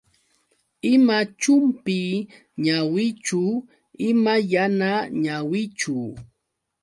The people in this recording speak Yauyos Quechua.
Ima chumpi ñawichu, ima yana ñawichu.